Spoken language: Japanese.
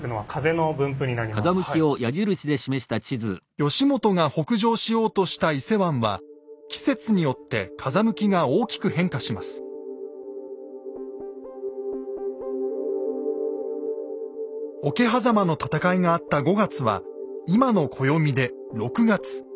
義元が北上しようとした伊勢湾は桶狭間の戦いがあった５月は今の暦で６月。